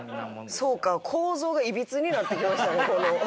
そうか構造がいびつになってきましたね